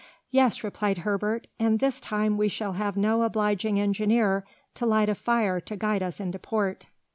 "Yes," replied Herbert, "and this time we shall have no obliging engineer to light a fire to guide us into port!"